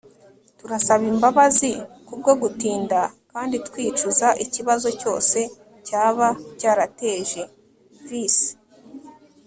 turasaba imbabazi kubwo gutinda kandi twicuza ikibazo cyose cyaba cyarateje. (vicch